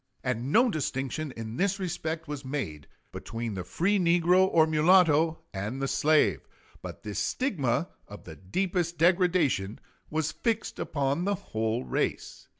And no distinction in this respect was made between the free negro or mulatto and the slave, but this stigma, of the deepest degradation, was fixed upon the whole race.